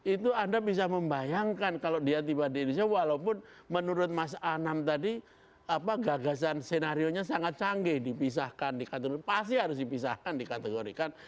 itu anda bisa membayangkan kalau dia tiba di indonesia walaupun menurut mas anam tadi gagasan senario nya sangat canggih dipisahkan dikategori pasti harus dipisahkan dikategorikan